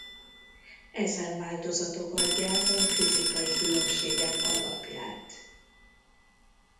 Ezen változatok adják a fizikai különbségek alapját.